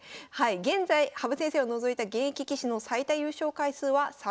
現在羽生先生を除いた現役棋士の最多優勝回数は３回となります。